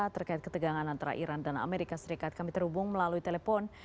terkait ketegangan antara iran dan amerika serikat kami terhubung melalui telepon